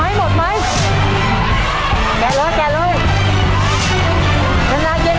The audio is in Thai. เย็นเย็นตัววิ่งลูก